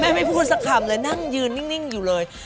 ไม่พูดสักคำเลยนั่งยืนนิ่งอยู่เลย